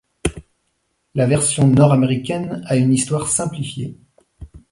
La version nord-américaine a une histoire simplifiée.